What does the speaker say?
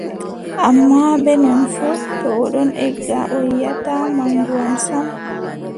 Ammaa, bee non fuu, to o ɗon egga, o yiʼataa maŋgu am sam,